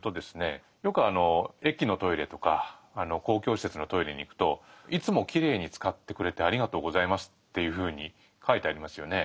よく駅のトイレとか公共施設のトイレに行くと「いつもきれいに使ってくれてありがとうございます」っていうふうに書いてありますよね。